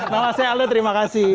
mama saya aldo terima kasih